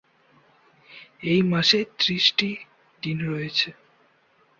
এই মাসে ত্রিশটি দিন রয়েছে।